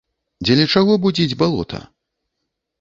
Дзеля чаго будзіць балота?